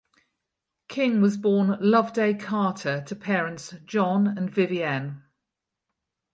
King was born Loveday Carter to parents John and Vivienne.